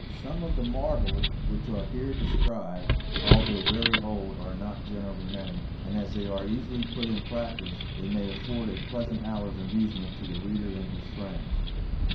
Some of the marvels which are here described, although very old, are not generally known, and as they are easily put in practice they may afford a pleasant hour's amusement to the reader and his friends.